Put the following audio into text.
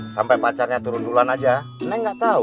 sampai pacarnya turun duluan aja neng gak tau